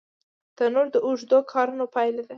تنور د اوږدو کارونو پایله ده